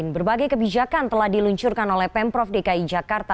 berbagai kebijakan telah diluncurkan oleh pemprov dki jakarta